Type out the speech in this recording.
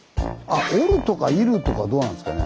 「おる」とか「いる」とかどうなんですかね？